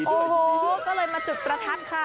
โอ้โหก็เลยมาจุดประทัดค่ะ